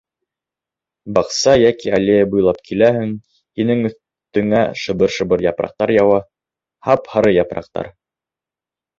Баҡса йәки аллея буйлап киләһең, һинең өҫтөңә шыбыр-шыбыр япраҡтар яуа. һап-һары япраҡтар...